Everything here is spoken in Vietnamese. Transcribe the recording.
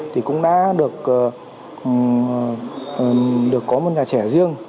thì cũng đã được có một nhà trẻ riêng